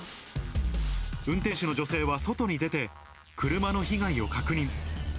運転手の女性は外に出て、車の被害を確認。